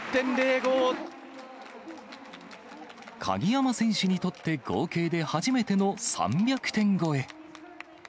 鍵山選手にとって合計で初めての３００点超え。